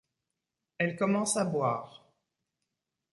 Elle commence à boire.